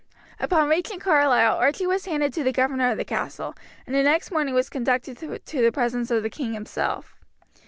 Upon reaching Carlisle Archie was handed to the governor of the castle, and the next morning was conducted to the presence of the king himself.